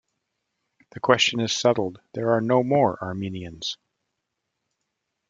The question is settled, there are no more Armenians'.